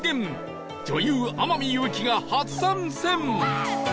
女優天海祐希が初参戦